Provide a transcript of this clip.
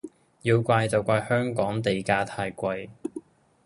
要怪就怪香港地價太貴